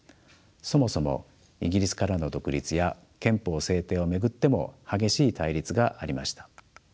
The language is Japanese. そもそもイギリスからの独立や憲法制定を巡っても激しい対立がありました。